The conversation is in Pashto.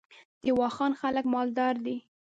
د واخان خلک مالدار دي